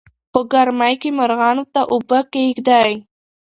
په ګرمۍ کې مارغانو ته اوبه کېږدئ.